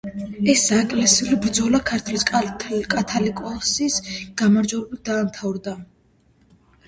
ეს საეკლესიო ბრძოლა ქართლის კათალიკოსის გამარჯვებით დამთავრდა.